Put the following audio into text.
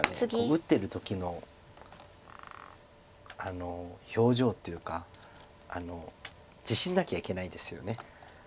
打ってる時の表情というか自信なきゃいけないですよね。